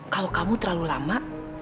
kalau kamu terlalu lama